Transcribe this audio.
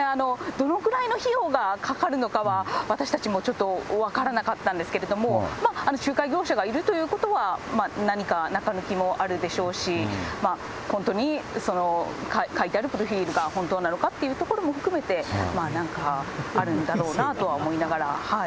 どのくらいの費用がかかるのかは、私たちもちょっと分からなかったんですけれども、仲介業者がいるということは、何か中抜きもあるでしょうし、本当に、その書いてあるプロフィールが本当なのかというところも含めて、なんかあるんだろうなとは思いながら、はい。